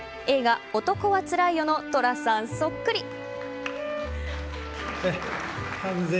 映画「男はつらいよ」の寅さんそっくり。